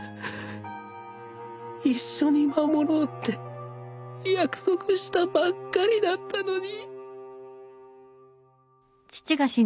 一緒に守ろうって約束したばっかりだったのに